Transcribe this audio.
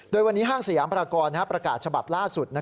โดยวันนี้ห้างสยามพรากรประกาศฉบับล่าสุด